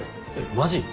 マジ？